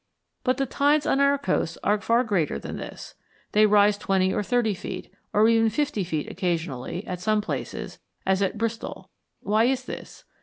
But the tides on our coasts are far greater than this they rise twenty or thirty feet, or even fifty feet occasionally, at some places, as at Bristol. Why is this?